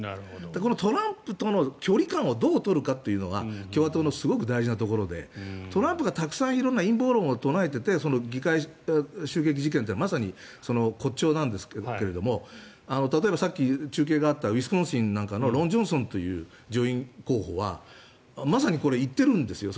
このトランプとの距離感をどう取るかというのが共和党のすごく大事なところでトランプがたくさん陰謀論を唱えていて議会襲撃事件ってまさにその骨頂なんですが例えば、さっき中継があったウィスコンシンなんかのロン・ジョンソンという上院候補はまさに言ってるんですよ。